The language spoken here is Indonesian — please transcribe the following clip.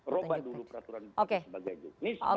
robah dulu peraturan bupati sebagai jukmis